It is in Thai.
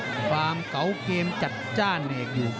ความเก่าเกมจัดจ้านในบุตร